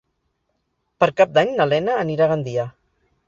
Per Cap d'Any na Lena anirà a Gandia.